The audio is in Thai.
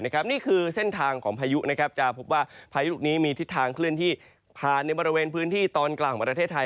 นี่คือเส้นทางของพายุจะพบว่าพายุนี้มีทิศทางเคลื่อนที่ผ่านในบริเวณพื้นที่ตอนกลางของประเทศไทย